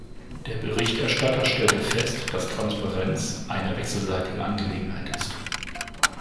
Der Berichterstatter stellte fest, dass Transparenz eine wechselseitige Angelegenheit ist.